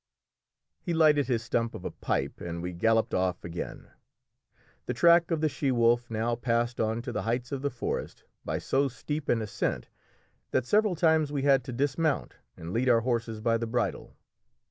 He lighted his stump of a pipe and we galloped off again. The track of the she wolf now passed on to the heights of the forest by so steep an ascent that several times we had to dismount and lead our horses by the bridle.